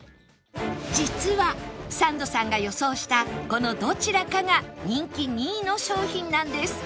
実はサンドさんが予想したこのどちらかが人気２位の商品なんです